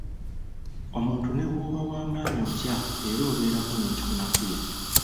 Omuntu ne bwoba w'amaanyi otya era obeerako n'ekikunafuya.